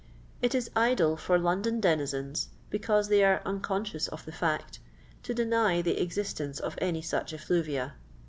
It is idle for London denisens, because they are unconscious of the &ct, to deny the existence of any such effluvia.